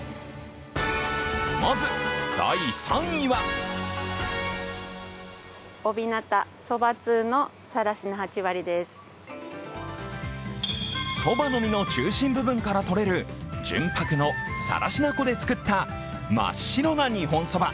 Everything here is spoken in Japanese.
まず第３位はそばの実の中心部分からとれる、純白な更科粉から作る真っ白な日本そば。